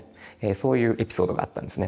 そういうエピソードがあったんですね。